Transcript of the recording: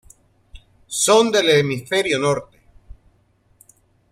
Son del hemisferio norte.